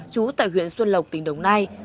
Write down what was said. trú tại huyện xuân lộc tỉnh đồng nai